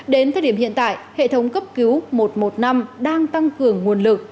đến thời điểm hiện tại hệ thống cấp cứu một một năm đang tăng cường nguồn lực